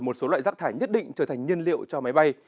một số loại rác thải nhất định trở thành nhân liệu cho máy bay